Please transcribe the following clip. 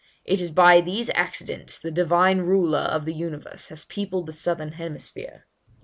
It is by these accidents the Divine Ruler of the universe has peopled the southern hemisphere.'